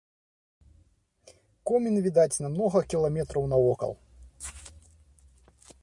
Комін відаць на многа кіламетраў навокал.